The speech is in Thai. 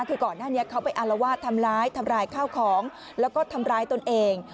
คือก่อนหน้านี้เขาไปอารวาสทำร้ายทำร้ายข้าวของแล้วก็ทำร้ายตนเอง